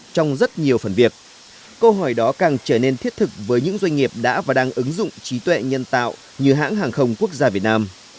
trong rất nhiều phần việc câu hỏi đó càng trở nên thiết thực với những doanh nghiệp đã và đang ứng dụng trí tuệ nhân tạo như hãng hàng không quốc gia việt nam